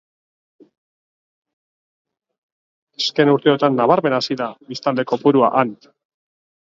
Azken urteotan nabarmen hazi da biztanle kopurua han.